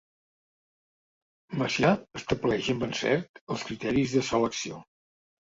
Macià estableix amb encert els criteris de selecció.